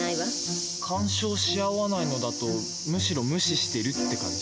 干渉し合わないのだとむしろ無視してるって感じ。